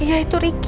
iya itu ricky